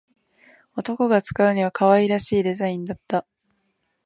男が使うには可愛らしいデザインだった